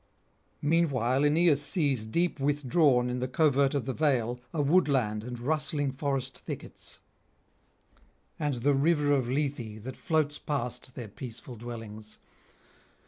Meanwhile Aeneas sees deep withdrawn in the covert of the vale a woodland and rustling forest thickets, and the river of Lethe that floats past their peaceful dwellings.